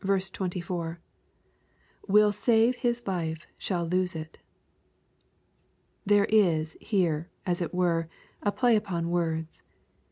/4. — [WiU save hiis Ufe shall lose it!\ There is here, as it were, a play upon words.